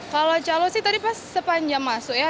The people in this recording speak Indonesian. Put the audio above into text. kalau calo sih tadi pas sepanjang masuk ya